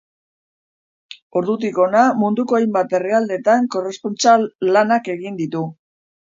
Ordutik hona munduko hainbat herrialdetan korrespontsal lanak egin ditu.